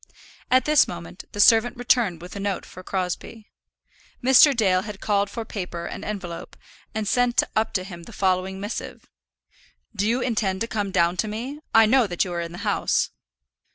At this moment the servant returned with a note for Crosbie. Mr. Dale had called for paper and envelope, and sent up to him the following missive: "Do you intend to come down to me? I know that you are in the house."